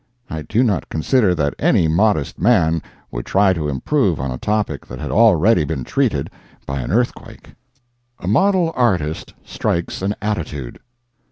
I do not consider that any modest man would try to improve on a topic that had already been treated by an earthquake. A MODEL ARTIST STRIKES AN ATTITUDE.